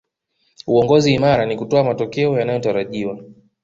uongozi imara ni kutoa matokeo yanayotarajiwa